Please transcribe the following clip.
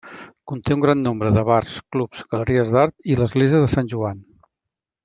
Conté un gran nombre de bars, clubs, galeries d'art i l'Església de Sant Joan.